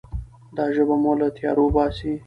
دا ژبه مو له تیارو باسي.